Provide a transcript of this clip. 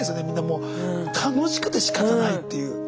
みんなもう楽しくてしかたないっていう。